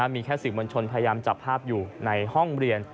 มีแค่สื่อมวลชนพยายามจับภาพอยู่ในห้องเรียน